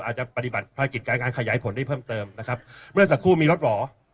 อาจจะปฏิบัติภารกิจการขยายผลได้เพิ่มเติมนะครับเมื่อสักครู่มีรถหรอ